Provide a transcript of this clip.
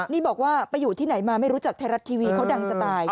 นี่บอกว่าไปอยู่ที่ไหนมาไม่รู้จักไทยรัฐทีวีเขาดังจะตาย